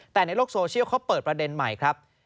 แต่ในโลกโซเชียลเขาเปิดประเด็นใหม่ครับ